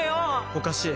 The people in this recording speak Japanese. おかしい